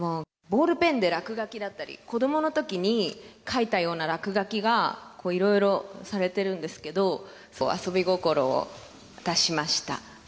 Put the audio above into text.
ボールペンで落書きだったり、子どものときに描いたような落書きが、こういろいろされてるんですけど、遊び心を出しました。